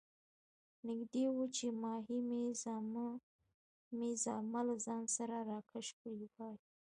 نږدې وو چې ماهي مې زامه له ځان سره راکش کړې وای.